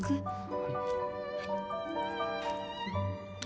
はい。